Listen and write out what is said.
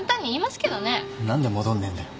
何で戻んねえんだよ。